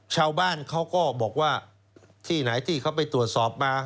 ชาวบ้านเขาก็บอกว่าที่ไหนที่เขาไปตรวจสอบมา